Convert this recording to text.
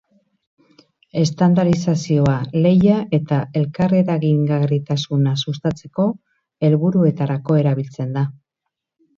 Estandarizazioa lehia eta elkarreragingarritasuna sustatzeko helburuetarako erabiltzen da.